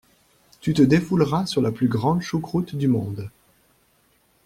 Tu te défouleras sur la plus grande choucroute du monde.